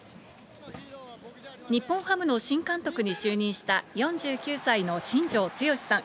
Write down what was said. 日本ハムの新監督に就任した、４９歳の新庄剛志さん。